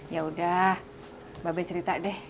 yaudah babai cerita deh